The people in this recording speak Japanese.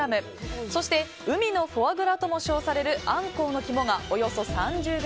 そして海のフォアグラとも称されるアンコウの肝が、およそ３０ｇ。